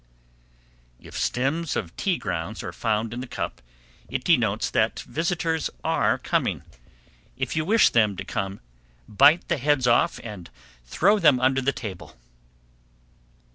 _ 772. If stems of tea grounds are found in the cup, it denotes that visitors are coming. If you wish them to come, bite the heads off and throw them under the table.